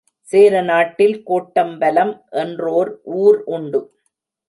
சேர நாட்டில் கோட்டம்பலம் என்றோர் ஊர் உண்டு.